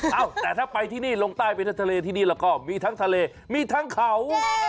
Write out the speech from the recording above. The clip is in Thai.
เอ้าแต่ถ้าไปที่นี่ลงใต้ไปทั้งทะเลที่นี่แล้วก็มีทั้งทะเลมีทั้งเขา